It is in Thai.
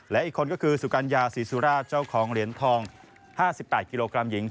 และอีกคนก็คือสุกัญญาศรีสุราชเจ้าของเหรียญทอง๕๘กิโลกรัมหญิง